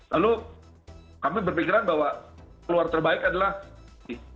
lalu kami berpikiran bahwa keluar terbaik adalah ini